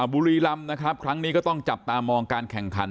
บุรีรำนะครับครั้งนี้ก็ต้องจับตามองการแข่งขัน